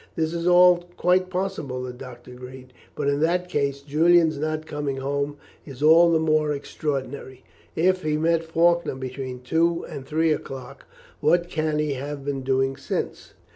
"That is all quite possible," the doctor agreed; "but in that case Julian's not coming home is all the more extraordinary. If he met Faulkner between two and three o'clock, what can he have been doing since?"